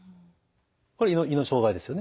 これ胃の障害ですよね。